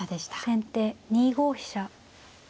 先手２五飛車。